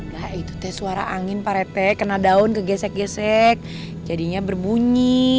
ya itu teh suara angin paretek kena daun kegesek gesek jadinya berbunyi